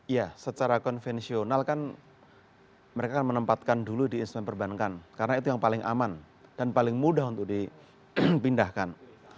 ya secara konvensional kan mereka menempatkan dulu di instrumen perbankan karena itu yang paling aman dan paling mudah untuk dipindahkan